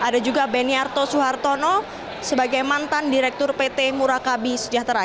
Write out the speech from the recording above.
ada juga beniarto suhartono sebagai mantan direktur pt murakabi sejahtera